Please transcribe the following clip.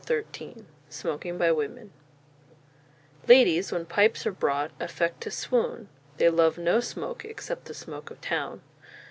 '" XIII SMOKING BY WOMEN Ladies, when pipes are brought, affect to swoon; They love no smoke, except the smoke of Town.